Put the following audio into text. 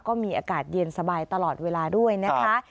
ก็มีอากาศเย็นสบายตลอดเวลาด้วยนะคะ